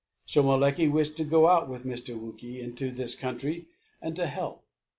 Shomolekae wished to go out with Mr. Wookey into this country and to help.